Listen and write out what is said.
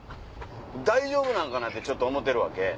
大丈夫なんかな？ってちょっと思ってるわけ。